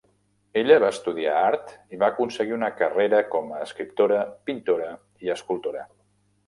Ella va estudiar art i va aconseguir una carrera com a escriptora, pintora i escultora.